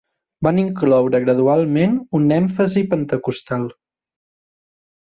Van incloure gradualment un èmfasi pentecostal.